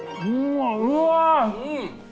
うわ！